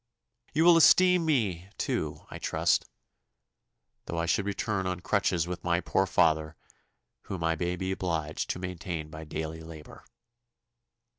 "You will esteem me, too, I trust, though I should return on crutches with my poor father, whom I may be obliged to maintain by daily labour.